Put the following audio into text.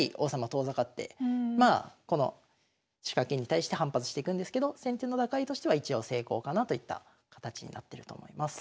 遠ざかってこの仕掛けに対して反発してくんですけど先手の打開としては一応成功かなといった形になってると思います。